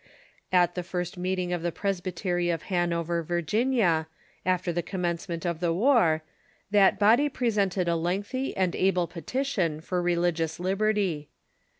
At the first meeting of the Presbytery of Hanover, Virginia, after the commencement of the war, that body presented a lengthy and able petition for religious liberty.